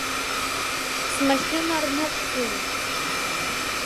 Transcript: Смашьынарныҟәцаҩуп.